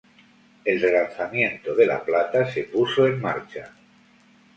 El relanzamiento de la plata se puso en marcha.